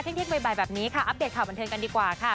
เที่ยงบ่ายแบบนี้ค่ะอัปเดตข่าวบันเทิงกันดีกว่าค่ะ